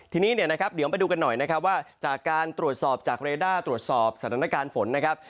ทีนี้เดี๋ยวมาไปดูกันหน่อยว่าการตรวจสอบจากเลด้าตรวจสอบสถานการณ์ฝนนะครับ